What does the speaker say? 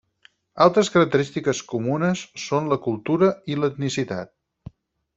Altres característiques comunes són la cultura i l'etnicitat.